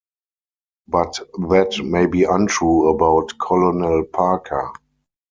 But that may be untrue about Colonel Parker.